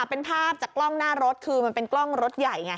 เป็นภาพจากกล้องหน้ารถคือมันเป็นกล้องรถใหญ่ไง